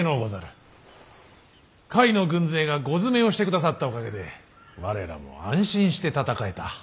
甲斐の軍勢が後詰めをしてくださったおかげで我らも安心して戦えた。